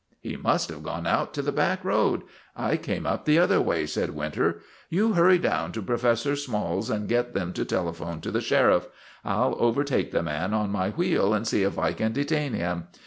" He must have gone out to the back road. I came up the other way," said Winter. " You hurry 232 WOTAN, THE TERRIBLE down to Professor Small's and get them to tele phone to the sheriff. I '11 overtake the man on my wheel and see if I can detain him.